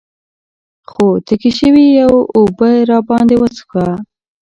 خو تږي شوي يو اوبۀ راباندې وڅښوه ـ